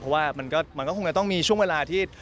เพราะว่ามันก็คงจะต้องมีช่วงเวลาที่